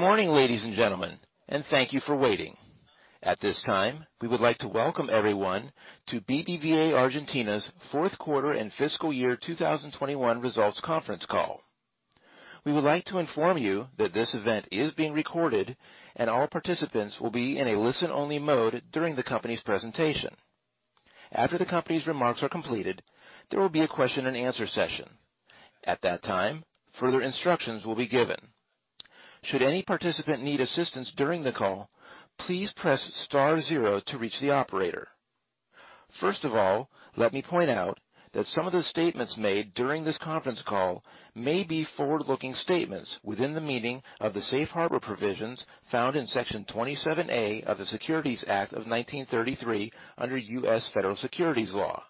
Good morning, ladies and gentlemen, and thank you for waiting. At this time, we would like to welcome everyone to BBVA Argentina's fourth quarter and fiscal year 2021 results conference call. We would like to inform you that this event is being recorded, and all participants will be in a listen-only mode during the company's presentation. After the company's remarks are completed, there will be a question and answer session. At that time, further instructions will be given. Should any participant need assistance during the call, please press star zero to reach the operator. First of all, let me point out that some of the statements made during this conference call may be forward-looking statements within the meaning of the safe harbor provisions found in Section 27A of the Securities Act of 1933 under U.S. Federal Securities law.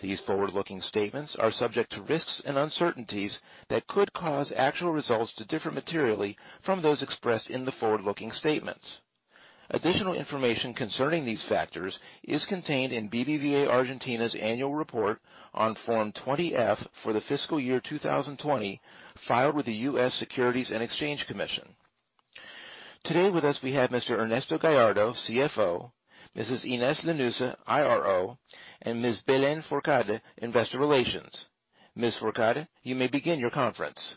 These forward-looking statements are subject to risks and uncertainties that could cause actual results to differ materially from those expressed in the forward-looking statements. Additional information concerning these factors is contained in BBVA Argentina's annual report on Form 20-F for the fiscal year 2020, filed with the U.S. Securities and Exchange Commission. Today with us, we have Mr. Ernesto Gallardo, CFO, Mrs. Inés Lanusse, IRO, and Ms. Belén Fourcade, Investor Relations. Ms. Fourcade, you may begin your conference.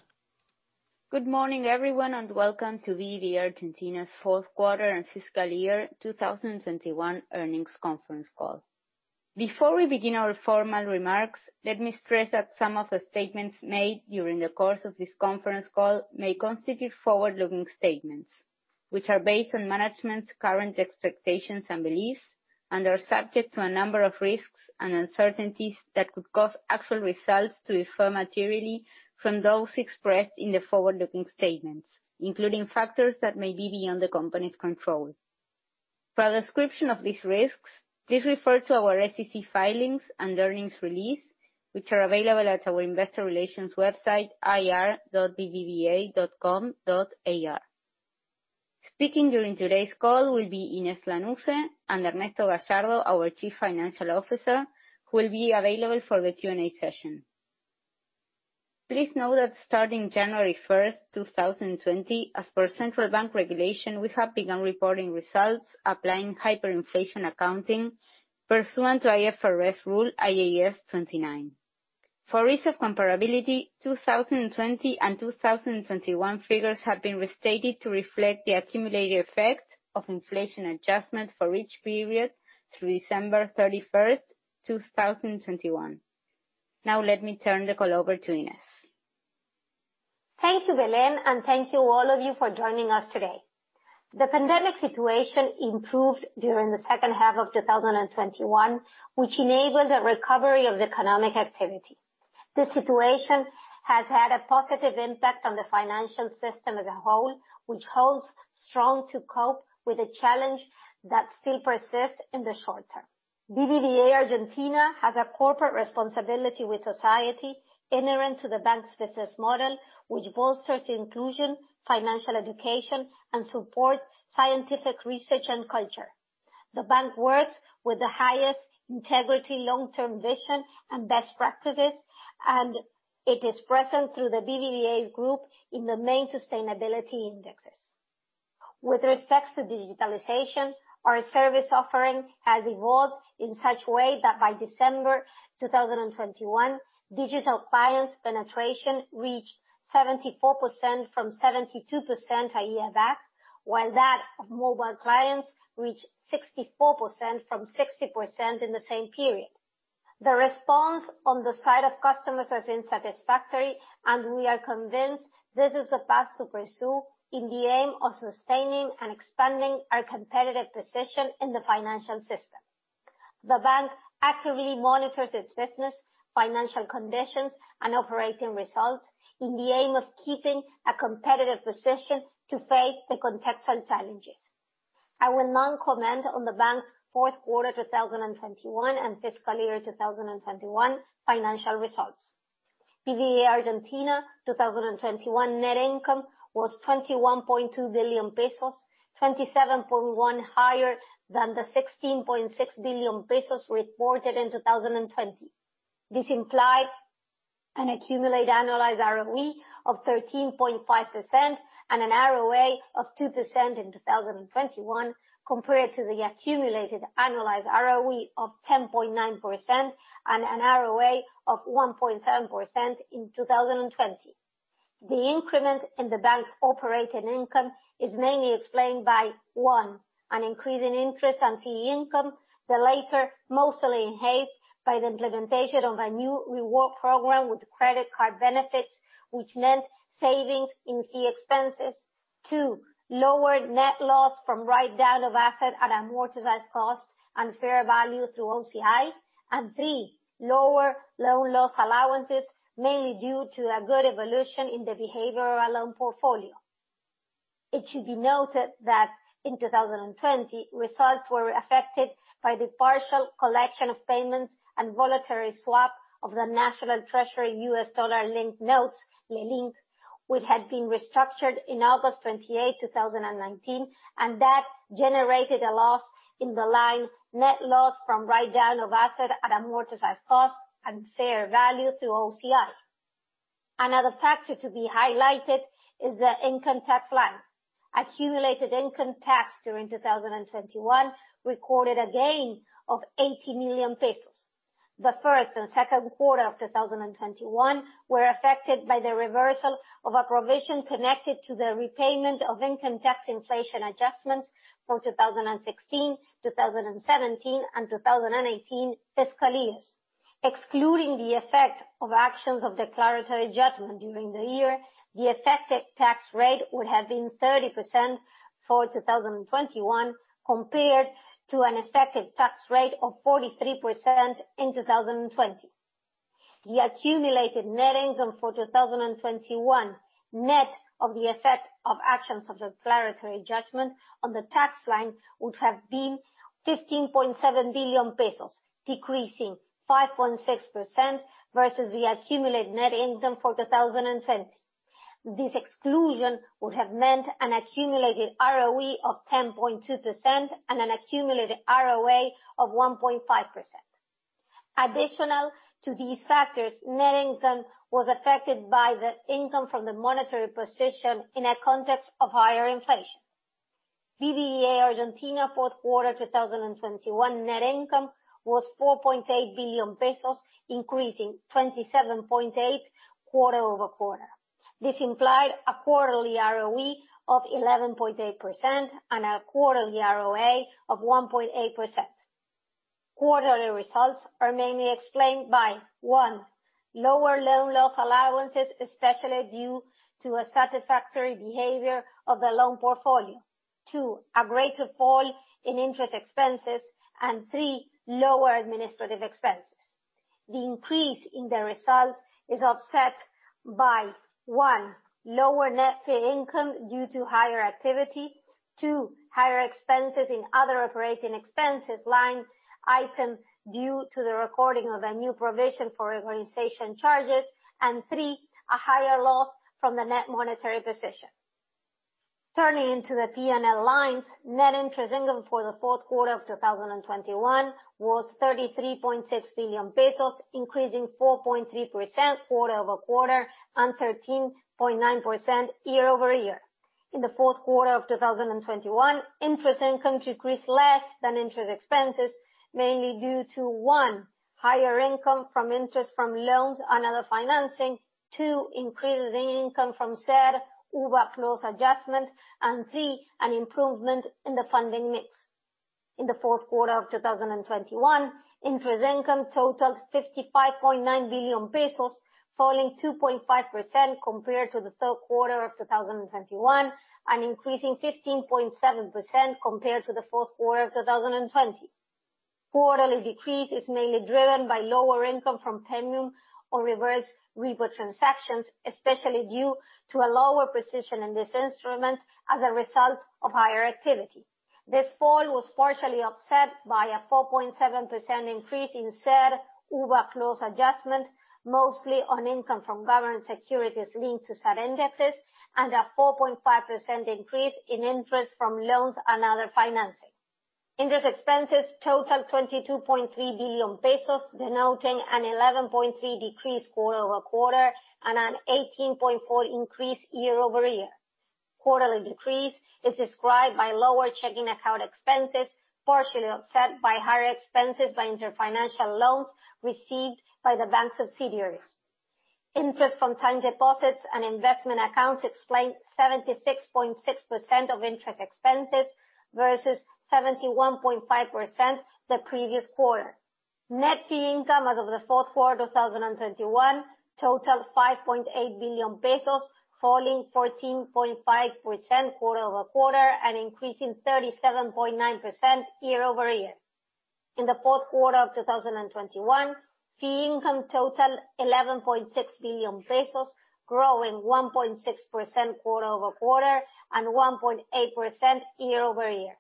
Good morning, everyone, and welcome to BBVA Argentina's fourth quarter and fiscal year 2021 earnings conference call. Before we begin our formal remarks, let me stress that some of the statements made during the course of this conference call may constitute forward-looking statements, which are based on management's current expectations and beliefs and are subject to a number of risks and uncertainties that could cause actual results to differ materially from those expressed in the forward-looking statements, including factors that may be beyond the company's control. For a description of these risks, please refer to our SEC filings and earnings release, which are available at our investor relations website, ir.bbva.com.ar. Speaking during today's call will be Inés Lanusse and Ernesto Gallardo, our Chief Financial Officer, who will be available for the Q&A session. Please note that starting January 1st, 2020, as per central bank regulation, we have begun reporting results applying hyperinflation accounting pursuant to IFRS rule IAS 29. For ease of comparability, 2020 and 2021 figures have been restated to reflect the accumulated effect of inflation adjustment for each period through December 31st, 2021. Now let me turn the call over to Inés. Thank you, Belén, and thank you all of you for joining us today. The pandemic situation improved during the second half of 2021, which enabled a recovery of the economic activity. This situation has had a positive impact on the financial system as a whole, which holds strong to cope with the challenge that still persists in the short term. BBVA Argentina has a corporate responsibility with society inherent to the bank's business model, which bolsters inclusion, financial education, and supports scientific research and culture. The bank works with the highest integrity, long-term vision, and best practices, and it is present through the BBVA group in the main sustainability indexes. With respect to digitalization, our service offering has evolved in such a way that by December 2021, digital clients' penetration reached 74% from 72% a year back, while that of mobile clients reached 64% from 60% in the same period. The response on the side of customers has been satisfactory, and we are convinced this is the path to pursue with the aim of sustaining and expanding our competitive position in the financial system. The bank actively monitors its business, financial conditions, and operating results with the aim of keeping a competitive position to face the contextual challenges. I will now comment on the bank's fourth quarter 2021 and fiscal year 2021 financial results. BBVA Argentina 2021 net income was 21.2 billion pesos, 27.1% higher than the 16.6 billion pesos reported in 2020. This implies an accumulated annualized ROE of 13.5% and an ROA of 2% in 2021 compared to the accumulated annualized ROE of 10.9% and an ROA of 1.7% in 2020. The increment in the bank's operating income is mainly explained by, one, an increase in interest and fee income, the latter mostly enhanced by the implementation of a new reward program with credit card benefits, which meant savings in fee expenses. Two, lower net loss from write down of assets at amortized cost and fair value through OCI. Three, lower loan loss allowances, mainly due to a good evolution in the behavioral loan portfolio. It should be noted that in 2020, results were affected by the partial collection of payments and voluntary swap of the National Treasury U.S. Dollar-linked notes, LELink, which had been restructured in August 28, 2019, and that generated a loss in the line net loss from write down of assets at amortized cost and fair value through OCI. Another factor to be highlighted is the income tax line. Accumulated income tax during 2021 recorded a gain of 80 million pesos. The first and second quarter of 2021 were affected by the reversal of a provision connected to the repayment of income tax inflation adjustments for 2016, 2017, and 2018 fiscal years. Excluding the effect of actions of the clarity judgment during the year, the effective tax rate would have been 30% for 2021 compared to an effective tax rate of 43% in 2020. The accumulated net income for 2021, net of the effect of actions of the clarity judgment on the tax line would have been 15.7 billion pesos, decreasing 5.6% versus the accumulated net income for 2020. This exclusion would have meant an accumulated ROE of 10.2% and an accumulated ROA of 1.5%. Additional to these factors, net income was affected by the income from the monetary position in a context of higher inflation. BBVA Argentina fourth quarter 2021 net income was ARS 4.8 billion, increasing 27.8% quarter-over-quarter. This implied a quarterly ROE of 11.8% and a quarterly ROA of 1.8%. Quarterly results are mainly explained by, one, lower loan loss allowances, especially due to a satisfactory behavior of the loan portfolio. Two, a greater fall in interest expenses. Three, lower administrative expenses. The increase in the result is offset by, one, lower net fee income due to higher activity. Two, higher expenses in other operating expenses line item due to the recording of a new provision for organization charges. Three, a higher loss from the net monetary position. Turning to the P&L lines, net interest income for the fourth quarter of 2021 was ARS 33.6 billion, increasing 4.3% quarter-over-quarter and 13.9% year-over-year. In the fourth quarter of 2021, interest income decreased less than interest expenses, mainly due to one, higher income from interest from loans and other financing. Two, increases in income from CER/UVA clause adjustment. And three, an improvement in the funding mix. In the fourth quarter of 2021, interest income totaled 55.9 billion pesos, falling 2.5% compared to the third quarter of 2021, and increasing 15.7% compared to the fourth quarter of 2020. Quarterly decrease is mainly driven by lower income from premium or reverse repo transactions, especially due to a lower pricing in this instrument as a result of higher activity. This fall was partially offset by a 4.7% increase in CER/UVA clause adjustment, mostly on income from government securities linked to certain indexes, and a 4.5% increase in interest from loans and other financing. Interest expenses totaled 22.3 billion pesos, denoting an 11.3% decrease quarter-over-quarter and an 18.4% increase year-over-year. Quarterly decrease is described by lower checking account expenses, partially offset by higher expenses by inter-financial loans received by the bank subsidiaries. Interest from time deposits and investment accounts explain 76.6% of interest expenses versus 71.5% the previous quarter. Net fee income as of the fourth quarter of 2021 totaled 5.8 billion pesos, falling 14.5% quarter-over-quarter and increasing 37.9% year-over-year. In the fourth quarter of 2021, fee income totaled ARS 11.6 billion, growing 1.6% quarter-over-quarter and 1.8% year-over-year.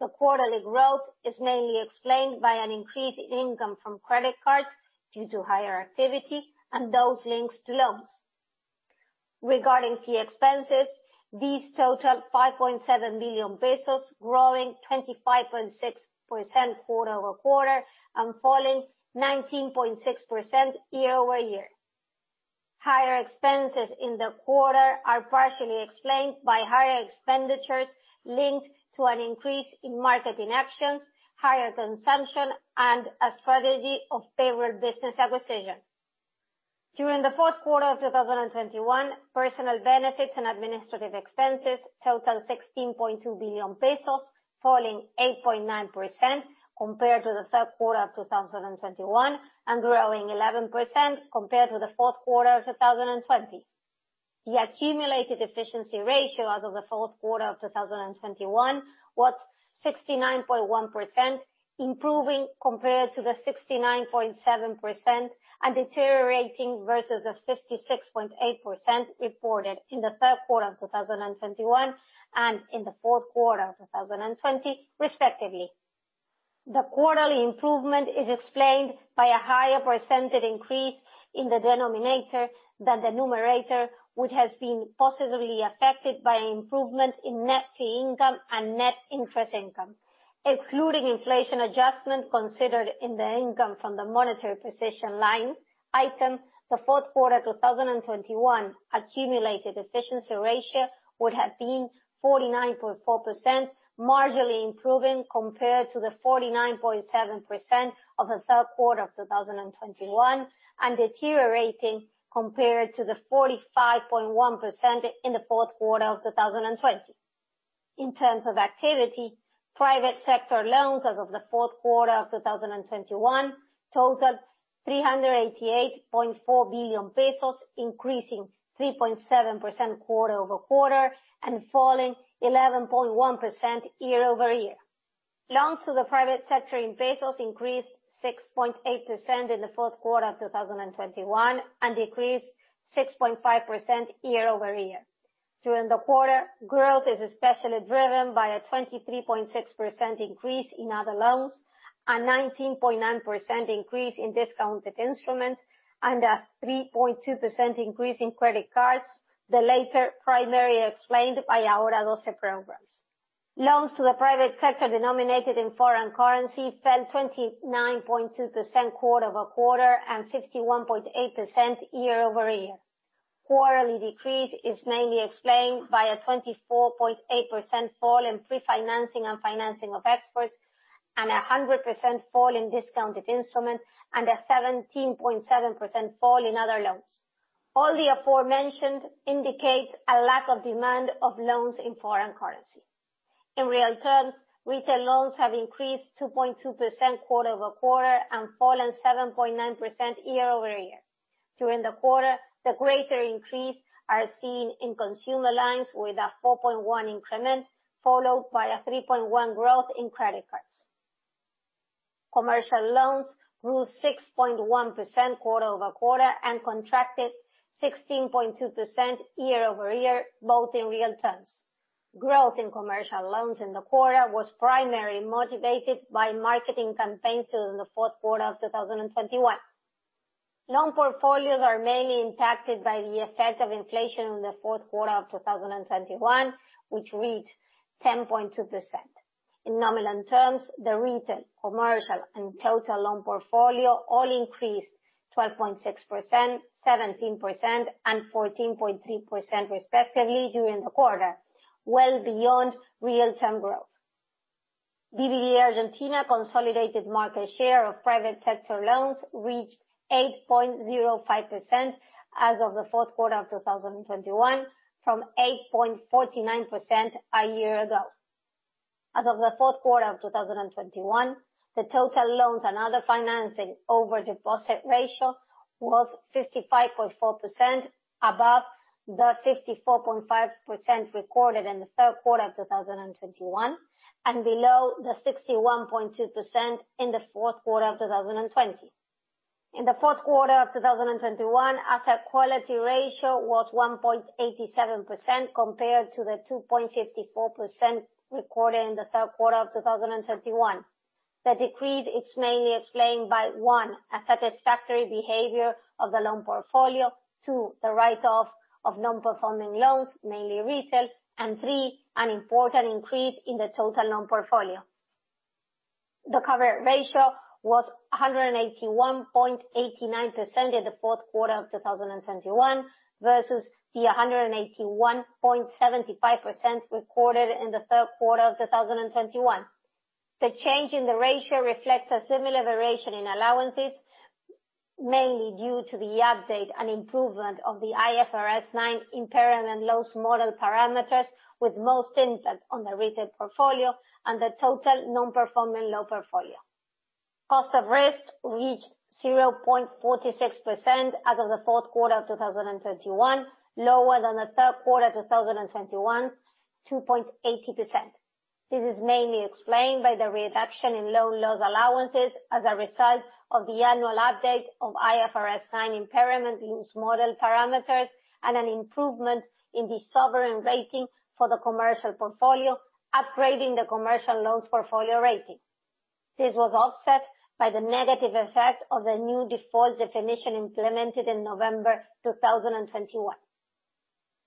The quarterly growth is mainly explained by an increase in income from credit cards due to higher activity and those linked to loans. Regarding fee expenses, these totaled 5.7 billion pesos, growing 25.6% quarter-over-quarter and falling 19.6% year-over-year. Higher expenses in the quarter are partially explained by higher expenditures linked to an increase in marketing actions, higher consumption, and a strategy of favored business acquisition. During the fourth quarter of 2021, personal benefits and administrative expenses totaled 16.2 billion pesos, falling 8.9% compared to the third quarter of 2021, and growing 11% compared to the fourth quarter of 2020. The accumulated efficiency ratio as of the fourth quarter of 2021 was 69.1%, improving compared to the 69.7%, and deteriorating versus the 56.8% reported in the third quarter of 2021 and in the fourth quarter of 2020, respectively. The quarterly improvement is explained by a higher percentage increase in the denominator than the numerator, which has been positively affected by improvement in net fee income and net interest income. Excluding inflation adjustment considered in the income from the monetary position line item, the fourth quarter 2021 accumulated efficiency ratio would have been 49.4%, marginally improving compared to the 49.7% of the third quarter of 2021, and deteriorating compared to the 45.1% in the fourth quarter of 2020. In terms of activity, private sector loans as of the fourth quarter of 2021 totaled 388.4 billion pesos, increasing 3.7% quarter-over-quarter and falling 11.1% year-over-year. Loans to the private sector in pesos increased 6.8% in the fourth quarter of 2021, and decreased 6.5% year-over-year. During the quarter, growth is especially driven by a 23.6% increase in other loans, a 19.9% increase in discounted instruments, and a 3.2% increase in credit cards, the latter primarily explained by Ahora 12 programs. Loans to the private sector denominated in foreign currency fell 29.2% quarter-over-quarter and 51.8% year-over-year. Quarterly decrease is mainly explained by a 24.8% fall in pre-financing and financing of exports, and a 100% fall in discounted instruments, and a 17.7% fall in other loans. All the aforementioned indicates a lack of demand of loans in foreign currency. In real terms, retail loans have increased 2.2% quarter-over-quarter and fallen 7.9% year-over-year. During the quarter, the greater increase are seen in consumer loans with a 4.1 increment, followed by a 3.1 growth in credit cards. Commercial loans grew 6.1% quarter-over-quarter and contracted 16.2% year-over-year, both in real terms. Growth in commercial loans in the quarter was primarily motivated by marketing campaigns during the fourth quarter of 2021. Loan portfolios are mainly impacted by the effect of inflation in the fourth quarter of 2021, which reached 10.2%. In nominal terms, the retail, commercial, and total loan portfolio all increased 12.6%, 17%, and 14.3% respectively during the quarter, well beyond real term growth. BBVA Argentina consolidated market share of private sector loans reached 8.05% as of the fourth quarter of 2021, from 8.49% a year ago. As of the fourth quarter of 2021, the total loans and other financing over deposit ratio was 55.4%, above the 54.5% recorded in the third quarter of 2021, and below the 61.2% in the fourth quarter of 2020. In the fourth quarter of 2021, asset quality ratio was 1.87%, compared to the 2.54% recorded in the third quarter of 2021. The decrease is mainly explained by, one, a satisfactory behavior of the loan portfolio. Two, the write off of non-performing loans, mainly retail. Three, an important increase in the total loan portfolio. The cover ratio was 181.89% in the fourth quarter of 2021, versus a 181.75% recorded in the third quarter of 2021. The change in the ratio reflects a similar variation in allowances, mainly due to the update and improvement of the IFRS 9 impairment loss model parameters, with most impact on the retail portfolio and the total non-performing loan portfolio. Cost of risk reached 0.46% as of the fourth quarter of 2021, lower than the third quarter of 2021, 2.80%. This is mainly explained by the reduction in loan loss allowances as a result of the annual update of IFRS 9 impairment loss model parameters, and an improvement in the sovereign rating for the commercial portfolio, upgrading the commercial loans portfolio rating. This was offset by the negative effect of the new default definition implemented in November 2021.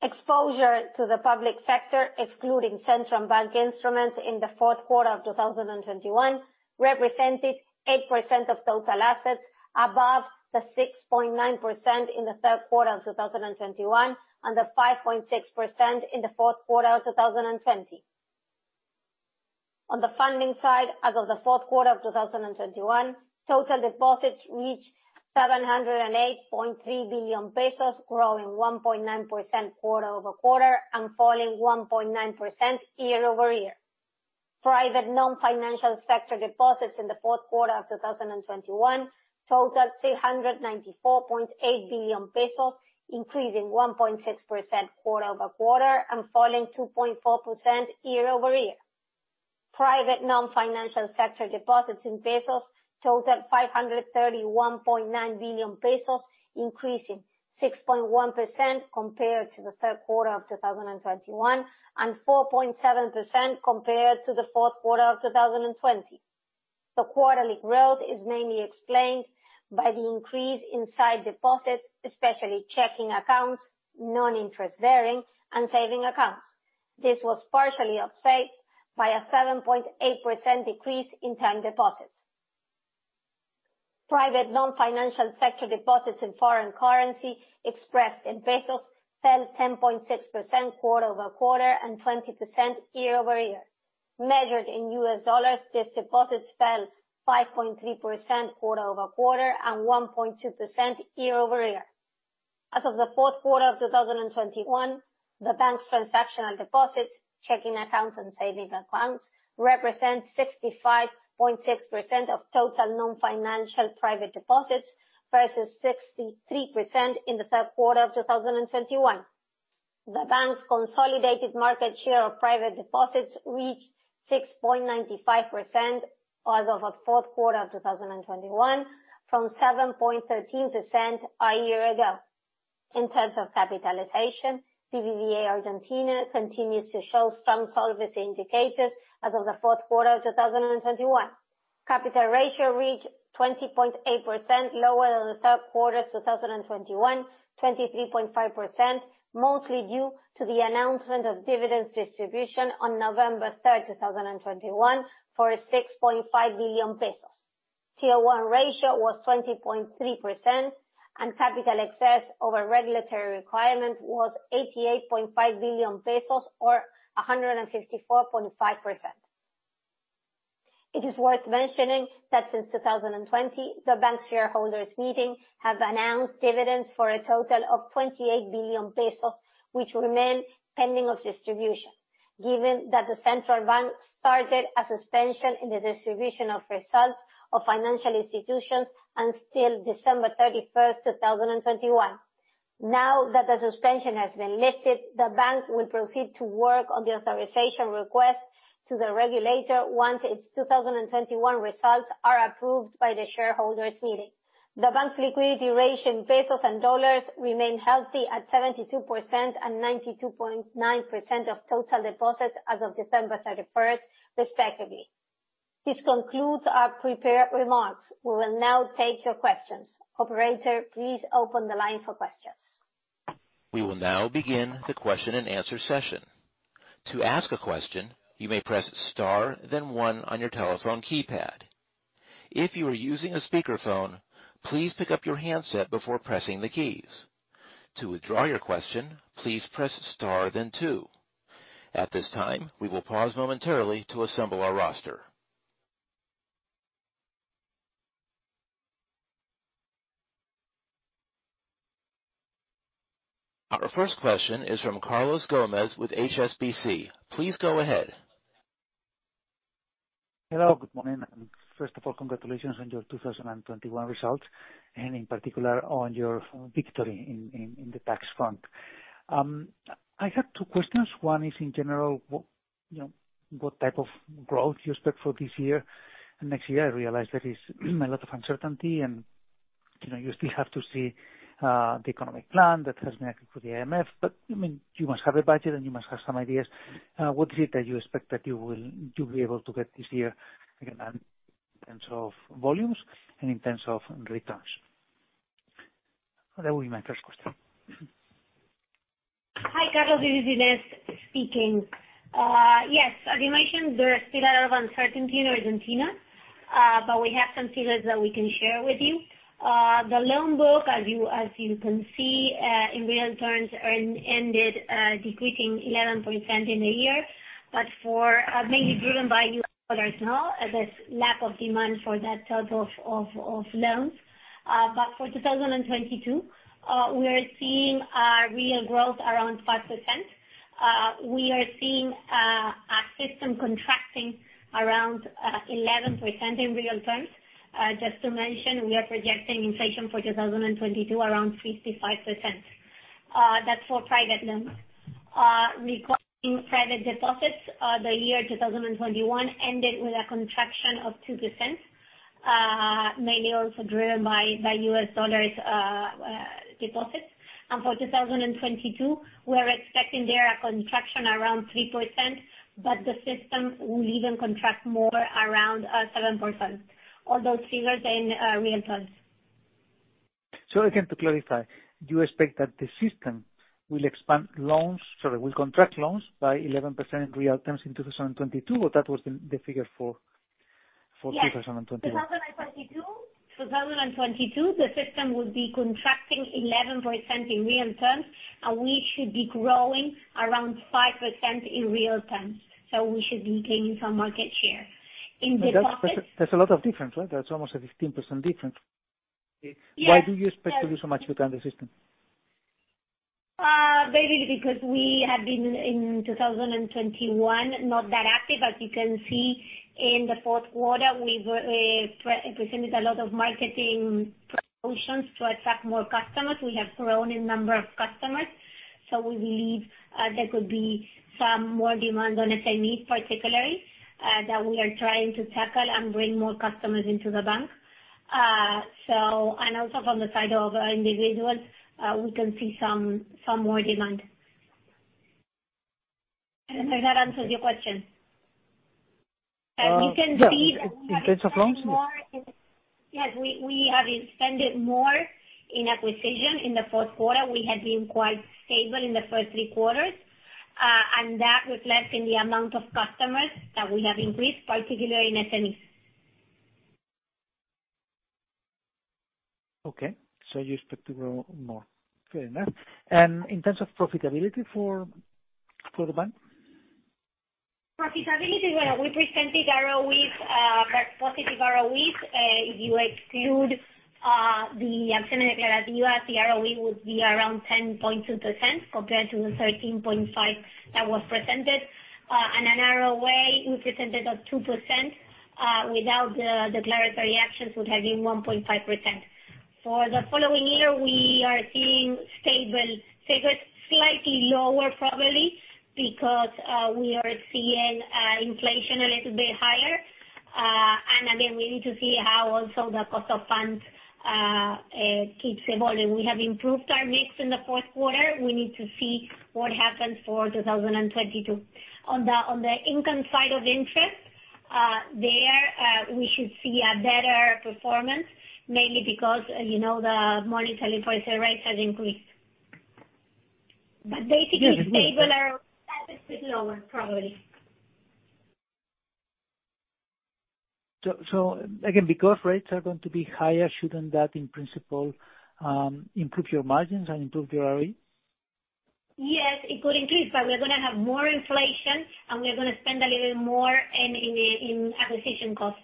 Exposure to the public sector, excluding Central Bank instruments in the fourth quarter of 2021, represented 8% of total assets, above the 6.9% in the third quarter of 2021, and the 5.6% in the fourth quarter of 2020. On the funding side, as of the fourth quarter of 2021, total deposits reached 708.3 billion pesos, growing 1.9% quarter-over-quarter and falling 1.9% year-over-year. Private non-financial sector deposits in the fourth quarter of 2021 totaled 394.8 billion pesos, increasing 1.6% quarter-over-quarter and falling 2.4% year-over-year. Private non-financial sector deposits in pesos totaled 531.9 billion pesos, increasing 6.1% compared to the third quarter of 2021, and 4.7% compared to the fourth quarter of 2020. The quarterly growth is mainly explained by the increase in sight deposits, especially checking accounts, non-interest-bearing, and savings accounts. This was partially offset by a 7.8% decrease in term deposits. Private non-financial sector deposits in foreign currency expressed in pesos fell 10.6% quarter-over-quarter and 20% year-over-year. Measured in U.S. dollars, these deposits fell 5.3% quarter-over-quarter and 1.2% year-over-year. As of the fourth quarter of 2021, the bank's transactional deposits, checking accounts and saving accounts, represent 65.6% of total non-financial private deposits versus 63% in the third quarter of 2021. The bank's consolidated market share of private deposits reached 6.95% as of the fourth quarter of 2021 from 7.13% a year ago. In terms of capitalization, BBVA Argentina continues to show strong solvency indicators as of the fourth quarter of 2021. Capital ratio reached 20.8%, lower than the third quarter of 2021, 23.5%, mostly due to the announcement of dividends distribution on November 3rd, 2021 for 6.5 billion pesos. Tier 1 ratio was 20.3%, and capital excess over regulatory requirement was 88.5 billion pesos or 154.5%. It is worth mentioning that since 2020, the bank's shareholders meeting have announced dividends for a total of 28 billion pesos, which remain pending of distribution, given that the central bank started a suspension in the distribution of results of financial institutions until December 31st, 2021. Now that the suspension has been lifted, the bank will proceed to work on the authorization request to the regulator once its 2021 results are approved by the shareholders meeting. The bank's liquidity ratio in pesos and dollars remain healthy at 72% and 92.9% of total deposits as of December thirty-first, respectively. This concludes our prepared remarks. We will now take your questions. Operator, please open the line for questions. We will now begin the question and answer session. To ask a question, you may press star then one on your telephone keypad. If you are using a speakerphone, please pick up your handset before pressing the keys. To withdraw your question, please press star then two. At this time, we will pause momentarily to assemble our roster. Our first question is from Carlos Gomez with HSBC. Please go ahead. Hello. Good morning. First of all, congratulations on your 2021 results, and in particular on your victory in the tax front. I have two questions. One is in general, you know, what type of growth you expect for this year and next year? I realize there is a lot of uncertainty and, you know, you still have to see the economic plan that has been pacted for the IMF, but I mean, you must have a budget and you must have some ideas. What is it that you expect that you'll be able to get this year, again, in terms of volumes and in terms of returns? That will be my first question. Hi, Carlos, this is Ines speaking. Yes, as you mentioned, there is still a lot of uncertainty in Argentina, but we have some figures that we can share with you. The loan book, as you can see, in real terms, ended decreasing 11% in the year, but mainly driven by, this lack of demand for that type of loans. For 2022, we are seeing real growth around 5%. We are seeing our system contracting around 11% in real terms. Just to mention, we are projecting inflation for 2022 around 55%. That's for private loans. Regarding private deposits, the year 2021 ended with a contraction of 2%, mainly also driven by U.S. dollars deposits. For 2022, we're expecting there a contraction around 3%, but the system will even contract more around 7%. All those figures are in real terms. Again, to clarify, do you expect that the system will contract loans by 11% in real terms in 2022, or that was the figure for 2021? Yes. 2022, the system will be contracting 11% in real terms, and we should be growing around 5% in real terms. We should be gaining some market share. In deposits That's a lot of difference, right? That's almost a 15% difference. Yes. Why do you expect to do so much better than the system? Mainly because we have been, in 2021, not that active. As you can see, in the fourth quarter, we've pre-presented a lot of marketing promotions to attract more customers. We have grown in number of customers, so we believe there could be some more demand on SME particularly that we are trying to tackle and bring more customers into the bank. From the side of individuals, we can see some more demand. That answers your question. You can see that we have expanded more. In terms of loans. Yes. We have expanded more in acquisition in the fourth quarter. We had been quite stable in the first three quarters, and that reflects in the amount of customers that we have increased, particularly in SME. Okay. You expect to grow more. Fair enough. In terms of profitability for the bank? Profitability, well, we presented ROEs, positive ROEs. If you exclude the acción declarativa, the ROE would be around 10.2% compared to the 13.5% that was presented. An ROE we presented of 2%, without the declaratory actions would have been 1.5%. For the following year, we are seeing stable figures, slightly lower probably, because we are seeing inflation a little bit higher. Again, we need to see how also the cost of funds keeps evolving. We have improved our mix in the fourth quarter. We need to see what happens for 2022. On the income side of interest, there we should see a better performance, mainly because, you know, the monetary policy rates have increased. Basically stable or a bit lower probably. Again, because rates are going to be higher, shouldn't that, in principle, improve your margins and improve your ROE? Yes, it could increase, but we're gonna have more inflation, and we are gonna spend a little more in acquisition costs.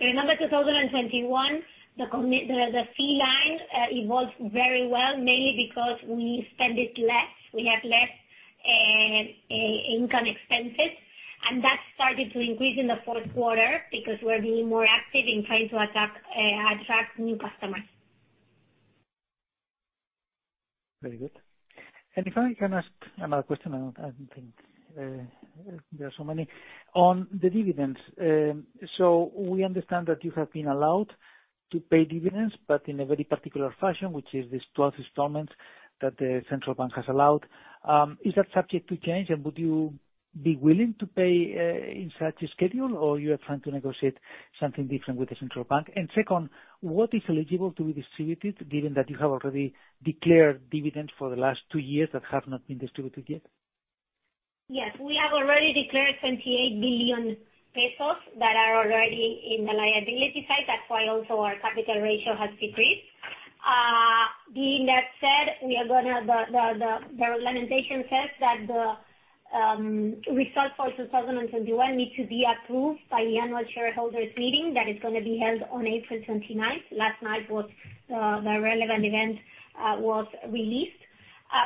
Remember 2021, the fee line evolved very well, mainly because we spent less. We had less non-interest expenses. That started to increase in the fourth quarter because we're being more active in trying to attract new customers. Very good. If I can ask another question, I don't think there are so many. On the dividends, we understand that you have been allowed to pay dividends but in a very particular fashion, which is these 12 installments that the central bank has allowed. Is that subject to change, and would you be willing to pay in such a schedule, or you are trying to negotiate something different with the central bank? Second, what is eligible to be distributed given that you have already declared dividends for the last two years that have not been distributed yet? Yes. We have already declared 78 billion pesos that are already in the liability side. That's why also our capital ratio has decreased. Being that said, we are gonna. The regulation says that the results for 2021 need to be approved by the annual shareholders meeting that is gonna be held on April 29th. Last night, the relevant event was released.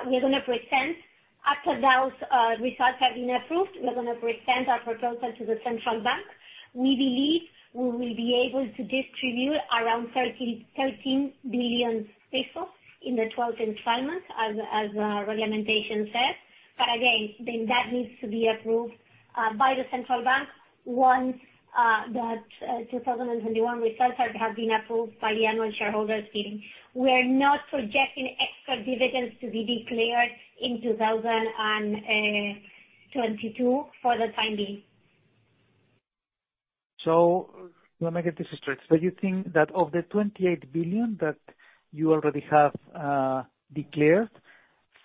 We're gonna present, after those results have been approved, our proposal to the central bank. We believe we will be able to distribute around 31.13 billion pesos in the 12 installments as the regulation says. Again, then that needs to be approved by the central bank once the 2021 results have been approved by the annual shareholders meeting. We're not projecting extra dividends to be declared in 2022 for the time being. Let me get this straight. You think that of the 28 billion that you already have declared,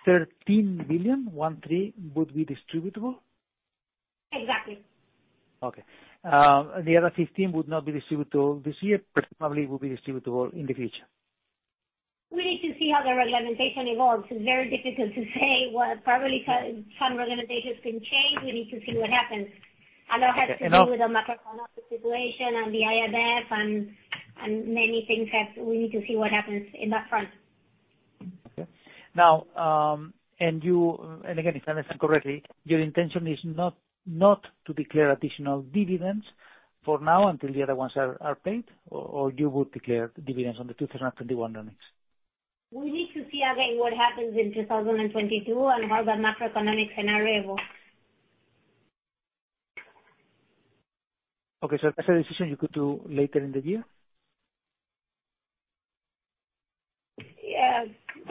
13 billion, 1-3, would be distributable? Exactly. Okay. The other 15 would not be distributable this year, but probably will be distributable in the future. We need to see how the regulation evolves. It's very difficult to say what probably some regulations can change. We need to see what happens. A lot has to do with the macroeconomic situation and the IMF and many things that we need to see what happens in that front. Okay. Now, if I understand correctly, your intention is not to declare additional dividends for now until the other ones are paid or you would declare the dividends on the 2021 earnings? We need to see again what happens in 2022 and how the macroeconomic scenario evolves. Okay. That's a decision you could do later in the year?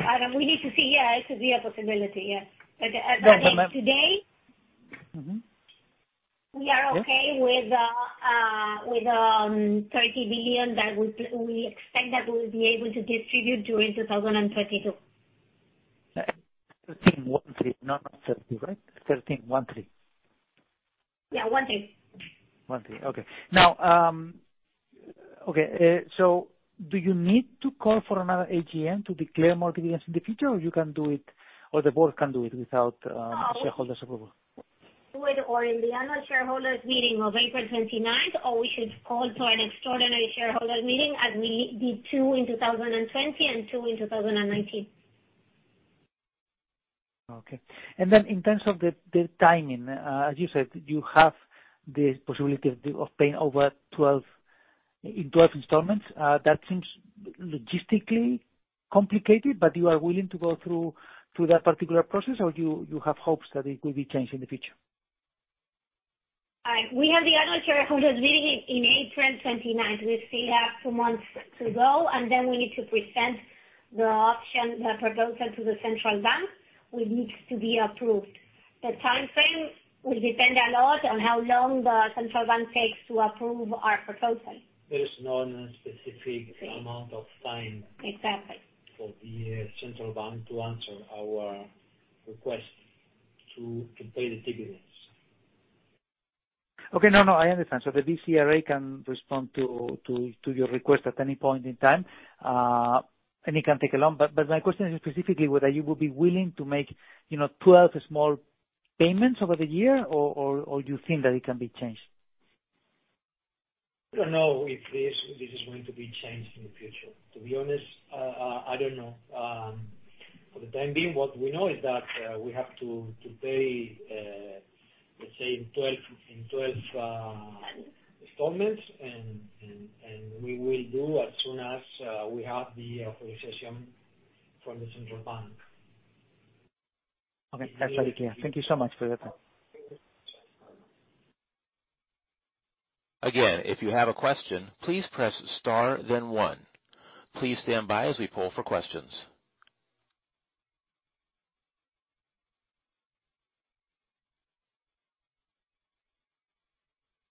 Yeah. We need to see. Yeah, it could be a possibility, yes. As of today- Mm-hmm. We are okay with 13 billion that we expect that we'll be able to distribute during 2022. 13, not 30, right? 13, 1-3. Yeah, 1-3. 1-3. Okay. Now, so do you need to call for another AGM to declare more dividends in the future or you can do it, or the board can do it without shareholders approval? During the annual shareholders meeting of April 29th, or we should call for an extraordinary shareholders meeting as we did two in 2020 and two in 2019. Okay. In terms of the timing, as you said, you have the possibility of paying over 12, in 12 installments. That seems logistically complicated, but you are willing to go through that particular process or you have hopes that it will be changed in the future? All right. We have the annual shareholders meeting in April twenty-ninth. We still have two months to go, and then we need to present the option, the proposal to the central bank, which needs to be approved. The timeframe will depend a lot on how long the central bank takes to approve our proposal. There is no specific amount of time. Exactly. For the central bank to answer our request to pay the dividends. Okay. No, I understand. The BCRA can respond to your request at any point in time, and it can take long. My question is specifically whether you will be willing to make, you know, 12 small payments over the year or you think that it can be changed? We don't know if this is going to be changed in the future. To be honest, I don't know. For the time being, what we know is that we have to pay, let's say in 12 installments, and we will do as soon as we have the authorization from the central bank. Okay. That's very clear. Thank you so much for your time. Thank you. Again, if you have a question, please press star then one. Please stand by as we poll for questions.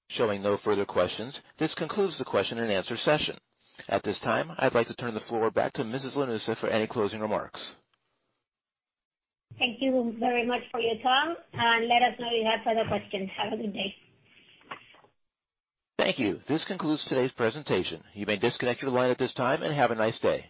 Showing no further questions, this concludes the question and answer session. At this time, I'd like to turn the floor back to Mrs. Lanusse for any closing remarks. Thank you very much for your time, and let us know if you have further questions. Have a good day. Thank you. This concludes today's presentation. You may disconnect your line at this time and have a nice day.